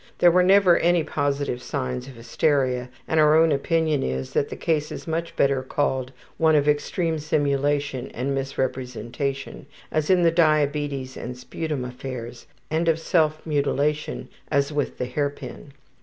(There were never any positive signs of hysteria, and our own opinion is that the case is much better called one of extreme simulation and misrepresentation, as in the diabetes and sputum affairs, etc., and of self mutilation, as with the hairpin.)